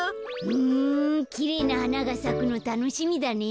ふんきれいなはながさくのたのしみだね。